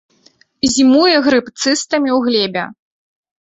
Зімуе грыб цыстамі ў глебе.